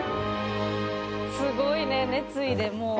すごいね熱意でもう。